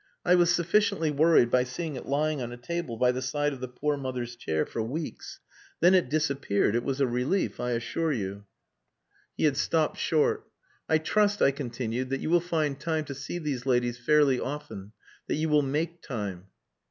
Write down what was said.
I was sufficiently worried by seeing it lying on a table by the side of the poor mother's chair for weeks. Then it disappeared. It was a relief, I assure you." He had stopped short. "I trust," I continued, "that you will find time to see these ladies fairly often that you will make time."